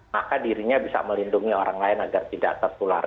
maka dirinya bisa melindungi orang lain agar tidak tertular